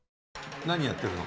何やってるの？